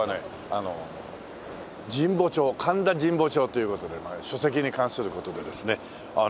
あの神保町神田神保町という事で書籍に関する事でですねあっ